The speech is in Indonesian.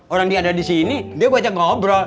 orang dia ada di sini dia gua ajak ngobrol